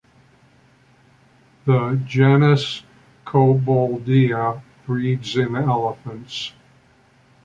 The genus "Cobboldia" breeds in elephants.